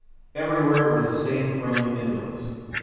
Everywhere it was the same friendly indolence.